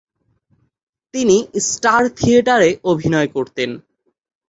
তিনি স্টার থিয়েটারে অভিনয় করতেন।